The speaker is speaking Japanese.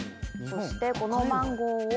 そしてこのマンゴーを。